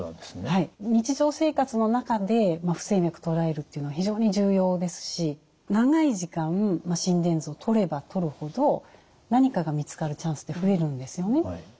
はい日常生活の中で不整脈とらえるというのは非常に重要ですし長い時間心電図をとればとるほど何かが見つかるチャンスって増えるんですよね。